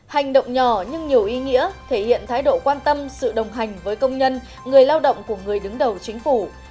hành động nhỏ nhưng nhiều ý nghĩa thể hiện thái độ quan tâm sự đồng hành với công nhân người lao động của người đứng đầu chính phủ